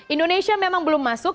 indonesia memang belum masuk